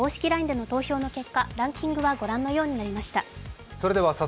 ＬＩＮＥでの投票の結果ランキングはご覧のようになりました。